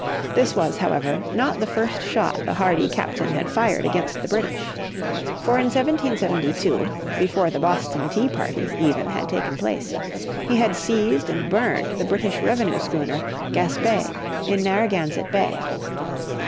This was, however, not the first shot the hardy Captain had fired against the British. For in 1772, before the "Boston Tea Party," even, had taken place, he had seized and burned the British revenue schooner, Gaspé, in Narragansett Bay.